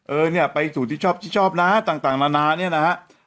เออเนี่ยไปสูตรที่ชอบที่ชอบนะต่างนานาเนี่ยนะฮะ